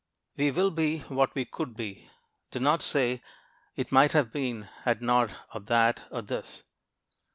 We will be what we could be. Do not say, "It might have been, had not or that, or this."